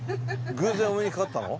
偶然お目にかかったの？